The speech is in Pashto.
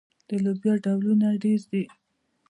د لوبیا ډولونه ډیر دي.